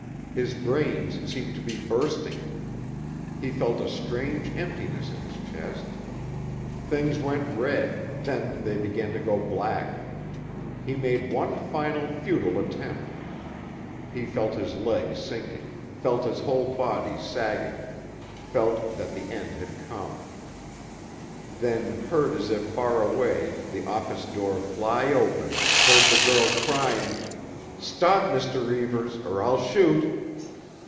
His brains seemed to be bursting. He felt a strange emptiness in his chest. Things went red, then they began to go black. He made one final futile attempt. He felt his legs sinking, felt his whole body sagging, felt that the end had come; then heard as if far away the office door fly open, heard the girl crying—— "Stop, Mr. Reivers, or I'll shoot!"